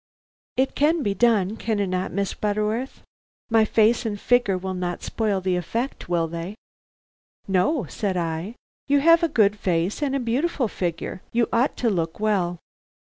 It can be done, can it not, Miss Butterworth? My face and figure will not spoil the effect, will they?" "No," said I; "you have a good face and a beautiful figure. You ought to look well.